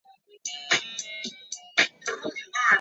为住居表示实施区域。